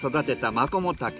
マコモタケ。